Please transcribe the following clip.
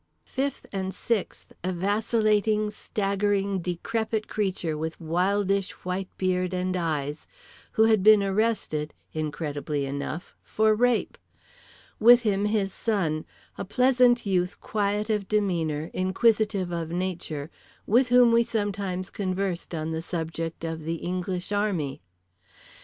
Fifth and sixth, a vacillating, staggering, decrepit creature with wildish white beard and eyes, who had been arrested—incredibly enough—for "rape." With him his son, a pleasant youth quiet of demeanour, inquisitive of nature, with whom we sometimes conversed on the subject of the English Army.